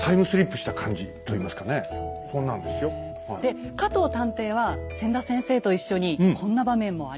で加藤探偵は千田先生と一緒にこんな場面もありました。